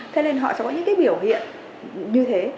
thế nên họ sẽ có những cái biểu hiện như thế